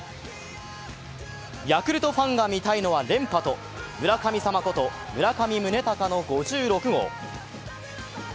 ヤクルトファンが見たいのは連覇と村神様こと村上宗隆の５６号。